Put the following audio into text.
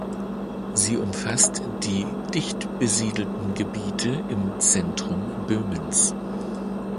Sie umfasst die dichtbesiedelten Gebiete im Zentrum Böhmens.